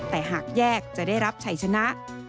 แต่หากแยกจะได้รับชัยชนะ